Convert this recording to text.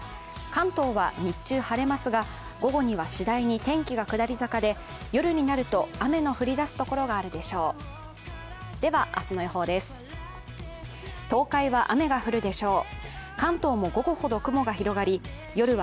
関東は日中晴れますが、午後にはしだいに天気は下り坂で、夜になると雨の降りだすところがあるでしょう。